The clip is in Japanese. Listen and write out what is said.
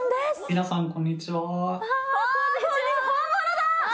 皆さんこんにちは本物だ！